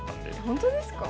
本当ですか？